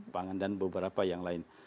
pangan dan beberapa yang lain